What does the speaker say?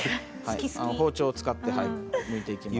包丁を使って、むいていきます。